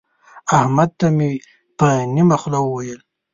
احمد ته مې په نيمه خوله وويل.